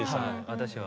私は。